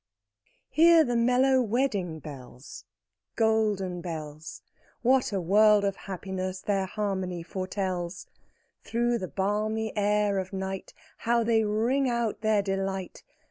II. Hear the mellow wedding bells, Golden bells! What a world of happiness their harmony foretells! Through the balmy air of night How they ring out their delight!